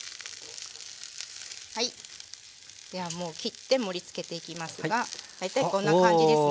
ではもう切って盛りつけていきますが大体こんな感じですね。